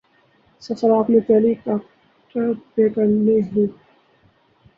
سفر آپ نے ہیلی کاپٹر پہ کرنے ہوں۔